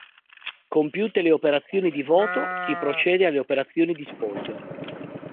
Compiute le operazioni di voto, si procede alle operazioni di spoglio.